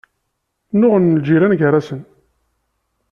Nnuɣen lǧiran gar-asen.